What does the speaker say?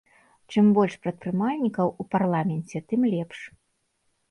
Чым больш прадпрымальнікаў у парламенце, тым лепш!